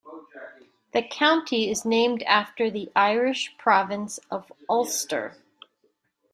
The county is named after the Irish province of Ulster.